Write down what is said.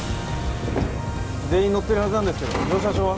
全員乗ってるはずなんですけど乗車証は？